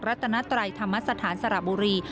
รัตนัตรัยธรรมสถานสระบุรี